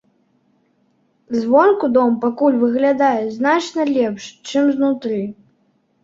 Звонку дом пакуль выглядае значна лепш, чым знутры.